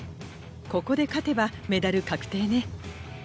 ここで勝てばメダル確定ね。